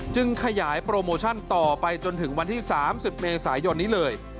ขยายโปรโมชั่นต่อไปจนถึงวันที่๓๐เมษายนนี้เลย